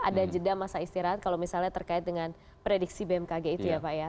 ada jeda masa istirahat kalau misalnya terkait dengan prediksi bmkg itu ya pak ya